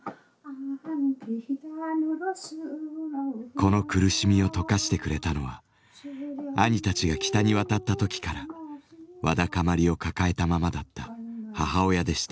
この苦しみをとかしてくれたのは兄たちが北に渡った時からわだかまりを抱えたままだった母親でした。